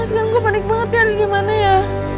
sekarang gue panik banget dia ada dimana ya